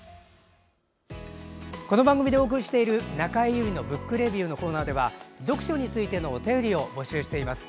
この番組でお送りしている「中江有里のブックレビュー」のコーナーでは読書についてのお便りを募集しています。